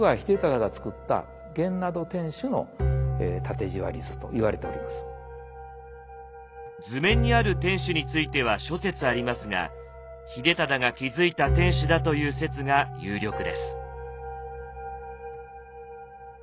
正清という人なんですけども図面にある天守については諸説ありますが秀忠が築いた天守だという説が有力です。